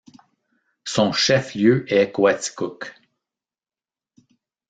Son chef-lieu est Coaticook.